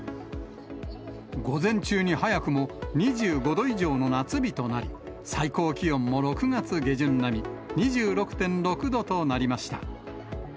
午前中に早くも２５度以上の夏日となり、最高気温も６月下旬並み、２６．６度となりました。